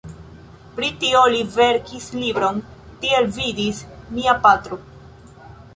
Pri tio li verkis libron "Tiel vidis mia patro".